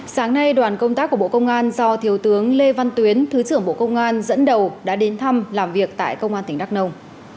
sáng nay đoàn công tác của bộ công an do thiếu tướng lê văn tuyến thứ trưởng bộ công an dẫn đầu đã đến thăm làm việc tại công an tỉnh đắk nông